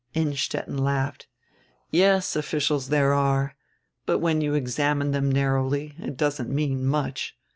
Innstetten laughed. "Yes, officials there are. But when you examine them narrowly it doesn't mean much.